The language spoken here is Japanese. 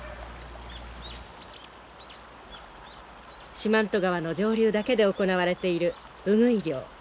四万十川の上流だけで行われているウグイ漁。